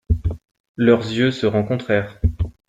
Leurs yeux se rencontrèrent.